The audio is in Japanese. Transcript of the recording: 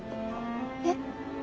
えっ。